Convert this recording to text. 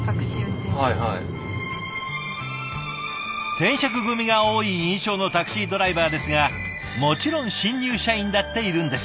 転職組が多い印象のタクシードライバーですがもちろん新入社員だっているんです！